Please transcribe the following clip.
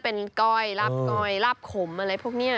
เป็นก้อยลาบก้อยลาบขมอะไรพวกนี้